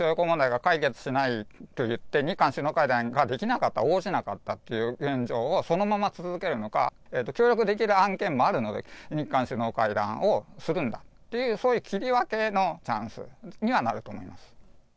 問題が解決しないといって日韓首脳会談ができなかった、応じなかったっていう現状をそのまま続けるのか、協力できる案件もあるので、日韓首脳会談をするんだっていう、そういう切り分けのチャンスにはなると思います。